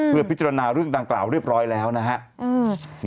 เพื่อพิจารณาเรื่องดังกล่าวเรียบร้อยแล้วนะครับ